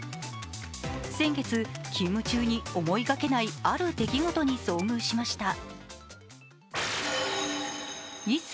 先月、勤務中に思いがけないある出来事に遭遇しました。